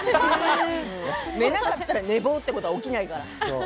寝なかったら寝坊は起きないから。